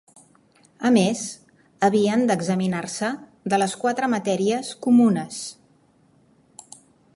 A més, havien d’examinar-se de les quatre matèries comunes.